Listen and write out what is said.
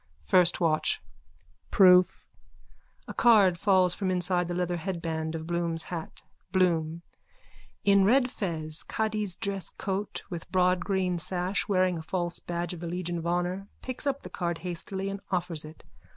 FIRST WATCH: Proof. (A card falls from inside the leather headband of Bloom's hat.) BLOOM: _(In red fez, cadi's dress coat with broad green sash, wearing a false badge of the Legion of Honour, picks up the card hastily and offers it.)